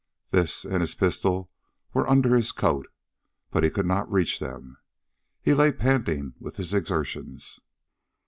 This and his pistol were under his coat. But he could not reach them. He lay panting with his exertions.